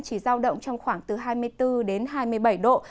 chỉ giao động trong khoảng từ hai mươi bốn đến hai mươi bảy độ